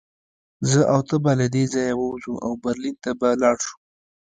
زه او ته به له دې ځایه ووځو او برلین ته به لاړ شو